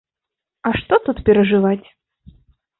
А што тут перажываць.